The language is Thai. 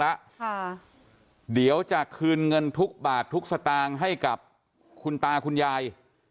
แล้วค่ะเดี๋ยวจะคืนเงินทุกบาททุกสตางค์ให้กับคุณตาคุณยาย